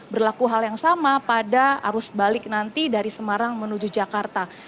berlaku hal yang sama pada arus balik nanti dari semarang menuju jakarta